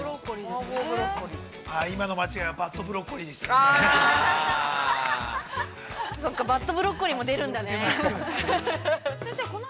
◆今の間違いはバットブロッコリーでした。